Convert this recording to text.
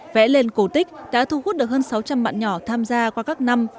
vẽ lên cổ tích đã thu hút được hơn sáu trăm linh bạn nhỏ tham gia qua các năm